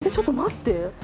ちょっと待って。